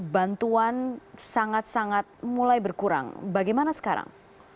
bantuan sangat sangat mulai berkurang bagaimana sekarang